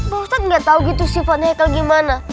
emang pak ustadz nggak tahu gitu sifatnya haikal gimana